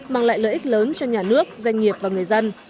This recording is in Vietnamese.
mang lại lợi ích lớn cho nhà nước doanh nghiệp và người dân